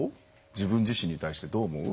自分自身に対して、どう思う？